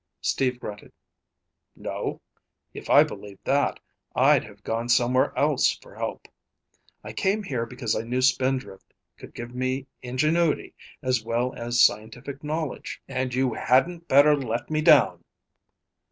Steve grunted. "No? If I believed that, I'd have gone somewhere else for help. I came here because I knew Spindrift could give me ingenuity as well as scientific knowledge. And you hadn't better let me down!"